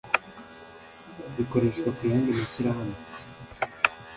bikoreshwa ku yandi mashyirahamwe